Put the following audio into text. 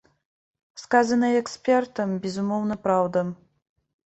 Сказанае экспертам, безумоўна, праўда.